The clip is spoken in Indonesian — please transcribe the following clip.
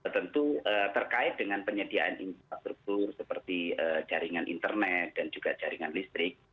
tentu terkait dengan penyediaan infrastruktur seperti jaringan internet dan juga jaringan listrik